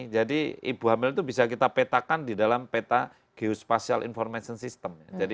ibu hamil itu bisa kita petakan di dalam peta geospacial information system